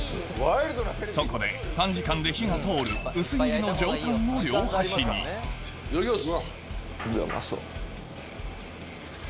そこで短時間で火が通る薄切りの上タンを両端にいただきます。